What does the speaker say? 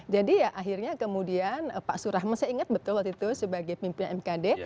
jadi ya akhirnya kemudian pak surahman saya ingat betul waktu itu sebagai pimpinan mkd